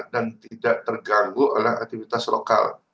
dan tidak terganggu oleh aktivitas lokal